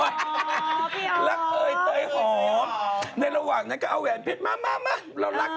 ในระหว่างนั้นก็เอาแหวนเพชรมาเรารักกัน